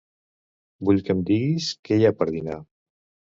Vull que em diguis què hi ha per dinar.